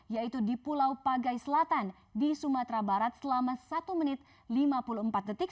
yaitu di pulau pagai selatan di sumatera barat selama satu menit lima puluh empat detik